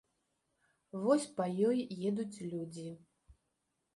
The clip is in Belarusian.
Вось па ёй едуць людзі.